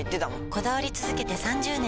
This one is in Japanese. こだわり続けて３０年！